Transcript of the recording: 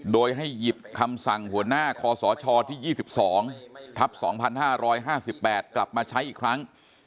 โดยให้หยิบคำสั่งหัวหน้าคอสชที่๒๒ทัพ๒๕๕๘กลับมาใช้อีกครั้ง